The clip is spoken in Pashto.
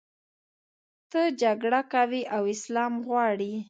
ته جګړه کوې او اسلام غواړې.